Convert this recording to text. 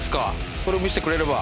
それを見してくれれば。